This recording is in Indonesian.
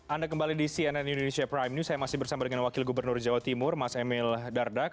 anda kembali di cnn indonesia prime news saya masih bersama dengan wakil gubernur jawa timur mas emil dardak